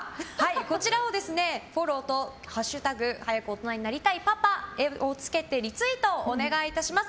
こちらをフォローと「＃早く大人になりたいパパ」をつけてリツイートをお願いいたします。